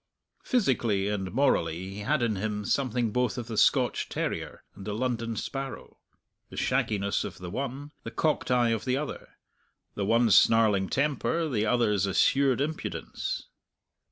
Physically and morally he had in him something both of the Scotch terrier and the London sparrow the shagginess of the one, the cocked eye of the other; the one's snarling temper, the other's assured impudence.